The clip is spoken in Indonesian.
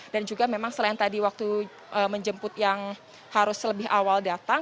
dan juga memang selain tadi waktu menjemput yang harus lebih awal datang